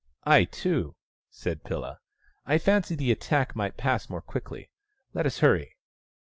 "I, too," said Pilla. " I fancy the attack might pass more quickly. Let us hurry."